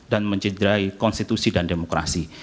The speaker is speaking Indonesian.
dan mencenderai konstitusi dan demokrasi